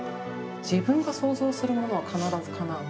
自分が想像するものは必ずかなう。